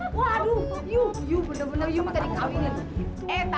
makasih iya makasih makasih